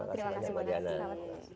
terima kasih banyak